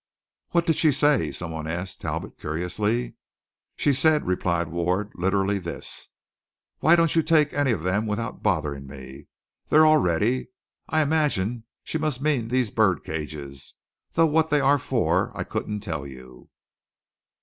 "What did she say?" some one asked Talbot curiously. "She said," replied Ward, "literally this: 'Why don't you take any of them without bothering me? They are all ready.' I imagine she must mean these bird cages; though what they are for I couldn't tell you."